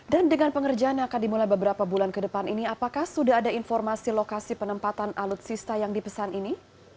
dan dengan pengerjaan yang akan dimulai beberapa bulan ke depan ini apakah sudah ada informasi lokasi penempatan alutsista yang dipesan ini